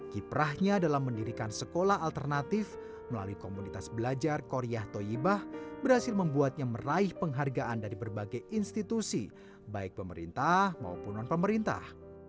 kiprahnya dalam mendirikan sekolah alternatif melalui komunitas belajar korea toyibah berhasil membuatnya meraih penghargaan dari berbagai institusi baik pemerintah maupun non pemerintah